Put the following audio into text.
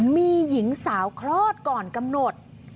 มีหญิงสาวเคราะห์ก่อนกำหนด